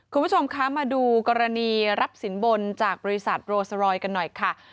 คุณผู้ชมคะมาดูกรณีรับสินบนจากบริษัทโรสรอยกันหน่อยค่ะ